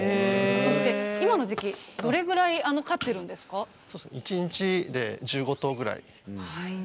そして今の時期どれぐらい一日で１５頭ぐらい。